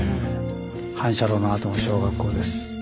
反射炉の跡の小学校です。